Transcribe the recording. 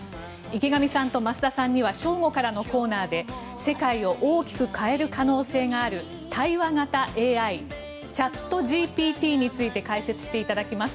池上さんと増田さんには正午からのコーナーで世界を大きく変える可能性がある対話型ＡＩチャットＧＰＴについて解説していただきます。